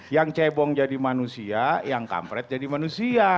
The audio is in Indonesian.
yang cebong jadi manusia yang kampret jadi manusia